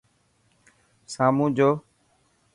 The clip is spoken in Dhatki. سامون جو